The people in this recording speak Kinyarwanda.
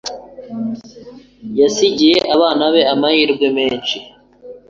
Yasigiye abana be amahirwe menshi.